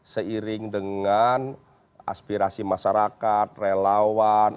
seiring dengan aspirasi masyarakat relawan